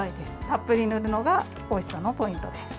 たっぷり塗るのがおいしさのポイントです。